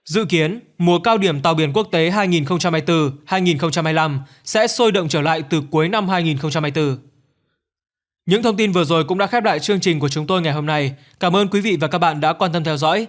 dự kiến mùa cao điểm tàu biển quốc tế hai nghìn hai mươi bốn hai nghìn hai mươi năm sẽ sôi động trở lại từ cuối năm hai nghìn hai mươi bốn